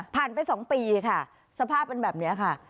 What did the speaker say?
ผ่านไปสองปีค่ะสภาพเป็นแบบเนี้ยค่ะ